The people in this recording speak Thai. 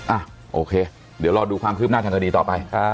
อ่ะโอเคเดี๋ยวรอดูความคืบหน้าทางคดีต่อไป